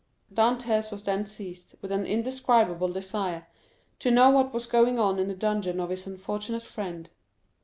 Dantès was then seized with an indescribable desire to know what was going on in the dungeon of his unfortunate friend.